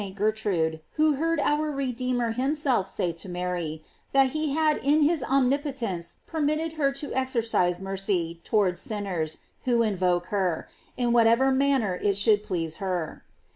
151 thing was revealed to St. Gertrude, who heard «ur Redeemer himself say to Mary, that he had in his omnipotence permitted her to exercise mercy towards sinners who invoke her, in what ever manner it should please her.